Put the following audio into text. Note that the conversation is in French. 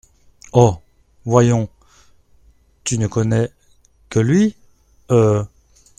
Oh ! voyons… tu ne connais que lui… euh…